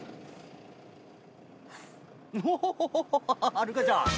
はるかちゃん。